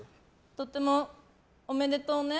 とてもおめでとうね。